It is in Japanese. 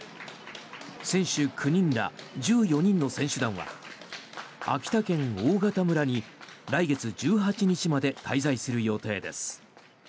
選手９人ら１４人の選手団は秋田県大潟村に来月１８日まで滞在する予定です。